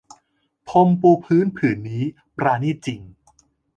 พรมปูพื้นผืนนี้ปราณีตจริง